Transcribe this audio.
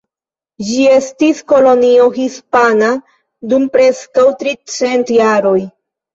Ĝi estis kolonio hispana dum preskaŭ tricent jaroj.